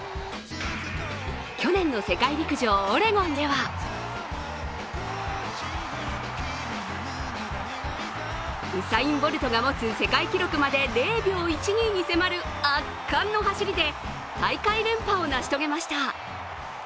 去年の世界陸上オレゴンではウサイン・ボルトが持つ世界録まで０秒１２に迫る圧巻の走りで大会連覇を成し遂げました。